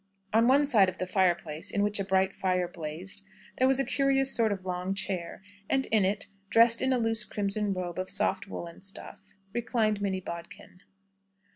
On one side of the fireplace, in which a bright fire blazed, there was a curious sort of long chair, and in it, dressed in a loose crimson robe of soft woollen stuff, reclined Minnie Bodkin.